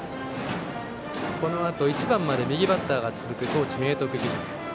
このあと１番まで右バッターが続く高知・明徳義塾。